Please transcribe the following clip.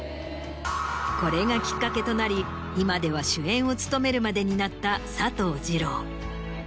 これがきっかけとなり今では主演を務めるまでになった佐藤二朗。